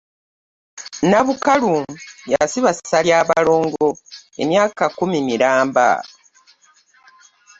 Nabukalu yasiba Ssali abalongo emyaka kkumi miramba!